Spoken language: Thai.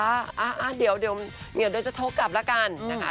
อ้าวเดี๋ยวจะโทรกละกันนะคะ